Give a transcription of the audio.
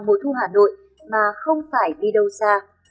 mùa thu hà nội mà không phải đi đâu xa